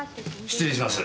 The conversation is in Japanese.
失礼します。